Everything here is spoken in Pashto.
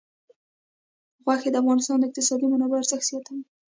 غوښې د افغانستان د اقتصادي منابعو ارزښت زیاتوي.